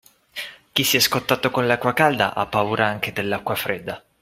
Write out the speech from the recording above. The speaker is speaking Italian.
Chi si è scottato con l'acqua calda ha paura anche dell'acqua fredda.